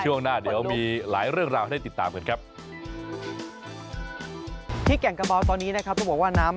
ช่วงหน้าเดี๋ยวมีหลายเรื่องราวให้ติดตามกันครับ